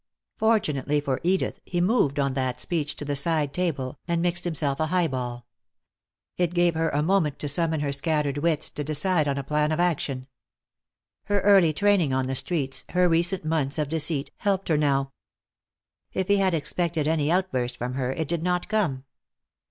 Fortunately for Edith he moved on that speech to the side table, and mixed himself a highball. It gave her a moment to summon her scattered wits, to decide on a plan of action. Her early training on the streets, her recent months of deceit, helped her now. If he had expected any outburst from her it did not come.